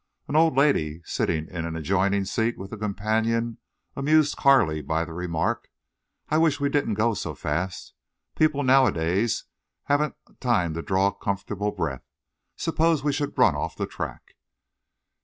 An old lady sitting in an adjoining seat with a companion amused Carley by the remark: "I wish we didn't go so fast. People nowadays haven't time to draw a comfortable breath. Suppose we should run off the track!"